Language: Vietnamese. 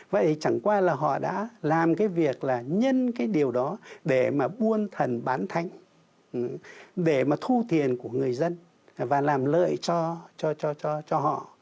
vậy chẳng qua là họ đã làm cái việc là nhân cái điều đó để mà buôn thần bán thánh để mà thu tiền của người dân và làm lợi cho họ